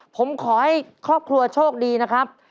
ผมขอให้ครอบครัวโชคดีนะครับ